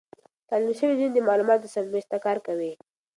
تعليم شوې نجونې د معلوماتو سم وېش ته کار کوي.